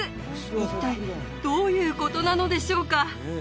一体どういうことなのでしょうか？